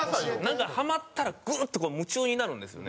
なんかハマったらグッとこう夢中になるんですよね。